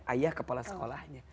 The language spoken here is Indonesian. ayah kepala sekolahnya